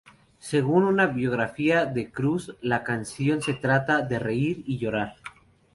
Según una biografía de Cruz, la canción "se trata de reír y llorar.